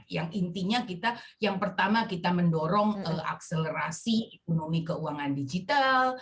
yang intinya kita yang pertama kita mendorong akselerasi ekonomi keuangan digital